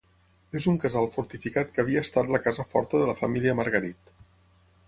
És un casal fortificat que havia estat la casa forta de la família Margarit.